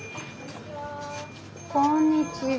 こんにちは。